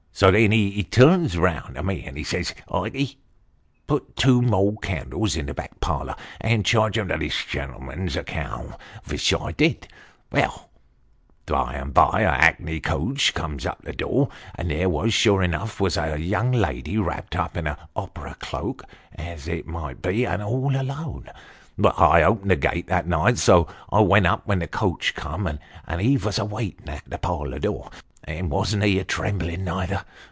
So then he turns round to me, and says, ' Ikey, put two mould candles in the back parlour, and charge 'em to this gen'lm'n's account, vich I did. Veil, by and by a hackney coach comes up to the door, and there, sure enough, was the young lady wrapped up in a hopera cloak, as it might 344 Sketches by Boz. be, and all alone. I opened the gate that night, so I went up when the coach come, and he vos a waitin' at the parlour door and wasn't he a trembling, neither